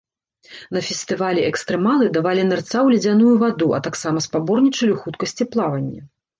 На фестывалі экстрэмалы давалі нырца ў ледзяную ваду, а таксама спаборнічалі ў хуткасці плавання.